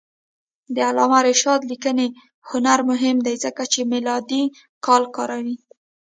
د علامه رشاد لیکنی هنر مهم دی ځکه چې میلادي کال کاروي.